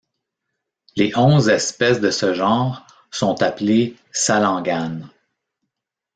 Les onze espèces de ce genre sont appelées salanganes.